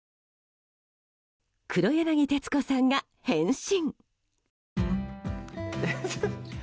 黒柳徹子さんが変身。